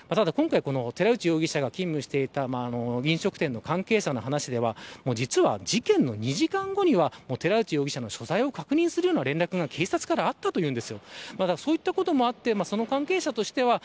ただ今回、寺内容疑者が勤務していた飲食店の関係者の話では実は、事件の２時間後には寺内容疑者の所在を確認するような連絡が警察からあったそうです。